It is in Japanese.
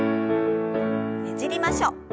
ねじりましょう。